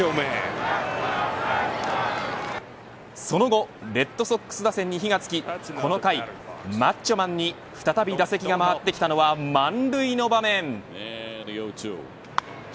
その後、レッドソックス打線に火がつきこの回、マッチョマンに再び打席が回ってきたのは満塁の場面。